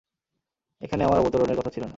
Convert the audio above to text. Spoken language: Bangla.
এখানে আমার অবতরণের কথা ছিল না।